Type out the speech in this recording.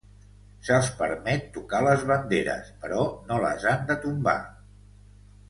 Se'ls permet tocar les banderes, però no les han de tombar.